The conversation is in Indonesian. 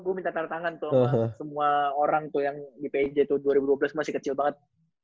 gue minta tanda tangan tuh semua orang tuh yang di pjj tuh dua ribu dua belas masih kecil banget